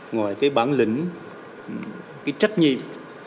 ngoài cái bản lĩnh cái trách nhiệm